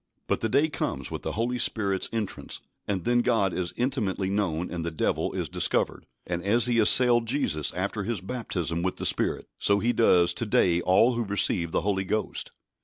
But the day comes with the Holy Spirit's entrance, and then God is intimately known and the Devil is discovered. And as he assailed Jesus after His baptism with the Spirit, so he does to day all who receive the Holy Ghost.